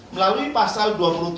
melalui pasal dua puluh tujuh